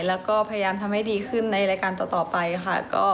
แล้วก็พยายามทำให้ดีขึ้นในรายการต่อไปค่ะ